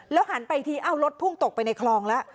แล้วหันไปทีเอารถพุ่งตกไปในคลองแล้ว